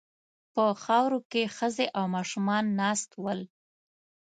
په خاورو کې ښځې او ماشومان ناست ول.